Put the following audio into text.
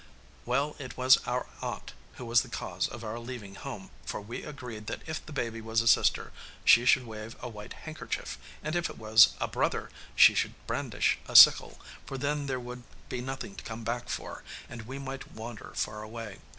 'Well, it was our aunt who was the cause of our leaving home, for we agreed that if the baby was a sister she should wave a white handkerchief, and if it was a brother, she should brandish a sickle, for then there would be nothing to come back for, and we might wander far away.